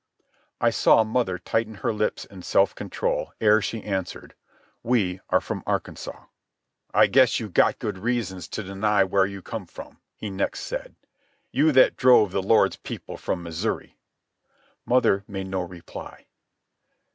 I saw mother tighten her lips in self control ere she answered: "We are from Arkansas." "I guess you got good reasons to deny where you come from," he next said, "you that drove the Lord's people from Missouri." Mother made no reply.